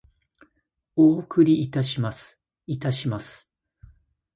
お送りいたします。いたします。